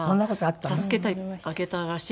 助けてあげたらしいんですよ。